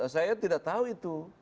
saya tidak tahu itu